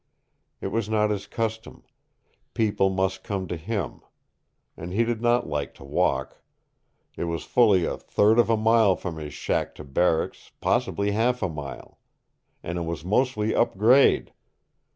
It was not his custom. People must come to him. And he did not like to walk. It was fully a third of a mile from his shack to barracks, possibly half a mile. And it was mostly upgrade!